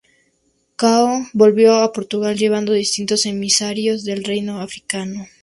Cao volvió a Portugal, llevando distintos emisarios del reino africano.